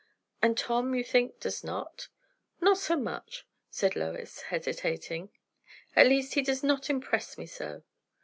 "And Tom, you think, does not?" "Not so much," said, Lois hesitating; "at least he does not impress me so."